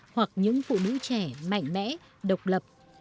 hoặc những phụ nữ trẻ mạnh mẽ độc lập